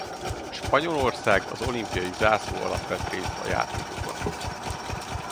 Spanyolország az olimpiai zászló alatt vett részt a játékokon.